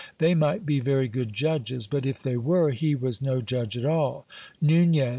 They might be very good judges ; but, if they were, he was no judge at all ! Nunez